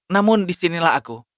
namun disinilah aku